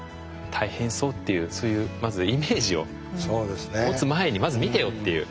大変そうっていうそういうまずイメージを持つ前にまず見てよっていう。